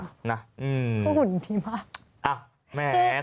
ก็หุ่นดีมาก